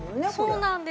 そうなんです。